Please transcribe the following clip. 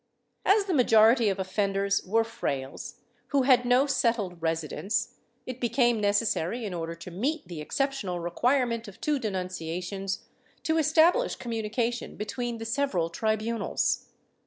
^ As the majority of offenders were frailes, who had no settled residence, it became necessary, in order to meet the exceptional requirement of two denunciations, to establish communication between the several tribunals.